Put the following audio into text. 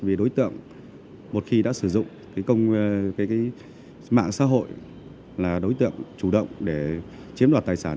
vì đối tượng một khi đã sử dụng mạng xã hội là đối tượng chủ động để chiếm đoạt tài sản